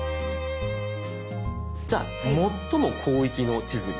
じゃあ最も広域の地図に。